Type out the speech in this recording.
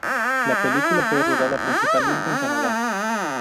La película fue rodada principalmente en Canadá.